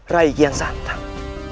rai kian santang